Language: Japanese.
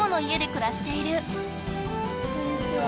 こんにちは。